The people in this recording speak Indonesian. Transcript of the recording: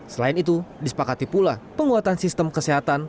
selain itu disepakati pula penguatan sistem kesehatan